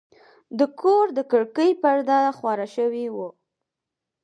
د کور د کړکۍ پرده خواره شوې وه.